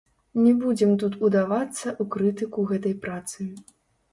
Не будзем тут удавацца ў крытыку гэтай працы.